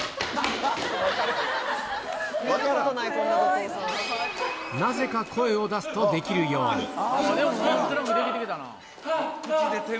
なぜか声を出すとできるように。